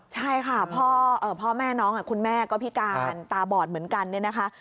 ใช่ค่ะพ่อแม่น้องคุณแม่ก็พิการตาบอดเหมือนกันเนี่ยนะคะ